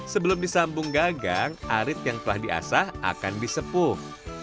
sebelum disambung gagang arit yang telah diasah akan disepuh